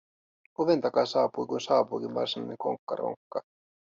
Oven takaa saapui kuin saapuikin varsinainen konkkaronkka: